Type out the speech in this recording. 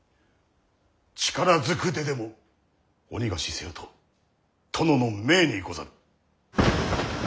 力ずくででもお逃がしせよと殿の命にござる。